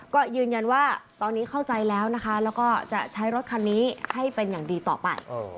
ก็ยืนยันว่าตอนนี้เข้าใจแล้วนะคะแล้วก็จะใช้รถคันนี้ให้เป็นอย่างดีต่อไป